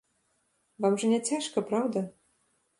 Вам жа не цяжка, праўда?